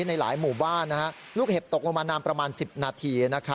ในหลายหมู่บ้านลูกเห็บตกลงมานานประมาณ๑๐นาที